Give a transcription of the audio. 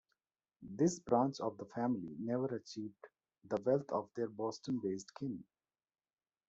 This branch of the family never achieved the wealth of their Boston-based kin.